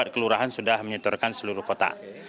empat kelurahan sudah menyertorkan seluruh kotak